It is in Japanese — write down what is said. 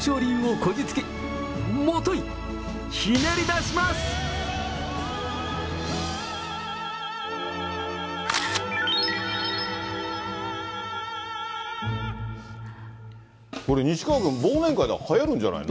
これ、西川君、忘年会ではやるんじゃないの？